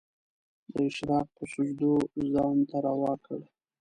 د اشراق په سجدو ځان ته روا کړ